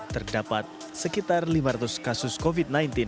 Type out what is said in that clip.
terdapat sekitar lima ratus kasus covid sembilan belas